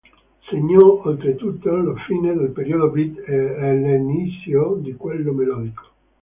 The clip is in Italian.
Segnò oltretutto la fine del periodo beat e l'inizio di quello melodico.